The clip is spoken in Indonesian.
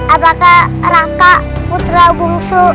apakah raka putra bungsu